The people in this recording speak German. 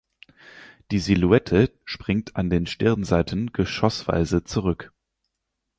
Die Silhouette springt an den Stirnseiten geschossweise zurück.